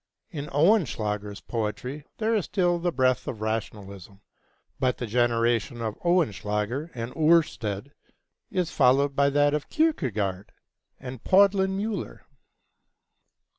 In Oehlenschläger's poetry there is still the breath of rationalism, but the generation of Oehlenschläger and Örsted is followed by that of Kierkegaard and Paludan Müller.